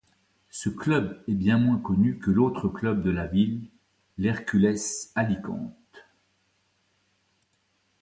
Ce club est bien moins connu que l'autre club de la ville, l'Hercules Alicante.